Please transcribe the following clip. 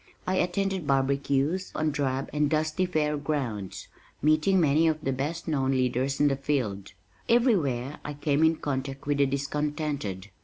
I attended barbecues on drab and dusty fair grounds, meeting many of the best known leaders in the field. Everywhere I came in contact with the discontented.